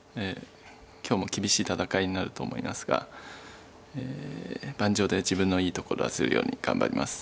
今日も厳しい戦いになると思いますが盤上で自分のいいところを出せるように頑張ります。